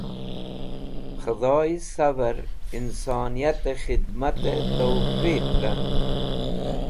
Khẽdhoy savẽr insoniyatẽ khidmatẽ tofiq dhetk.